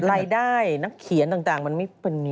รายได้นักเขียนต่างมันไม่พอ